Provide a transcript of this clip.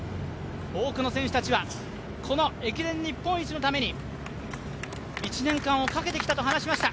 多くの選手たちはこの駅伝日本一のために１年間をかけてきたと話しました。